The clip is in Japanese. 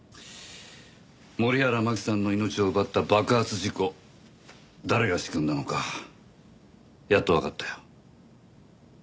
森原真希さんの命を奪った爆発事故誰が仕組んだのかやっとわかったよ。